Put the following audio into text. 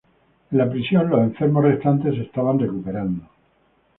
En la prisión, los enfermos restantes se están recuperando.